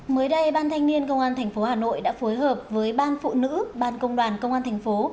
mới đây ban thanh niên công an tp hà nội đã phối hợp với ban phụ nữ ban công đoàn công an thành phố